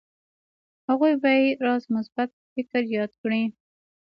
هغوی به يې راز مثبت فکر ياد کړي.